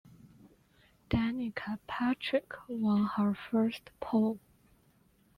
Danica Patrick won her first pole.